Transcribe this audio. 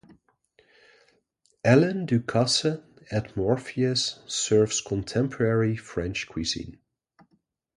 Alain Ducasse at Morpheus serves contemporary French cuisine.